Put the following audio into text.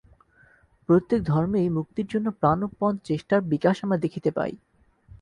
প্রত্যেক ধর্মেই মুক্তির জন্য প্রাণপণ চেষ্টার বিকাশ আমরা দেখিতে পাই।